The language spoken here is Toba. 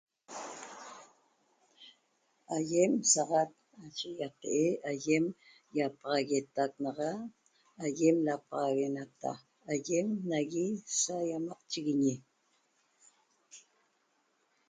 Aiem saxat nache iatee aiem iapaxaguetaq naga aiem napaxenaqta ayem naguie sayamachiguiñe